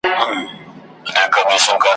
د خوږو دانو مزې ته هک حیران سو `